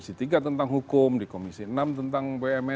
sehingga bukan masih membarong partai ini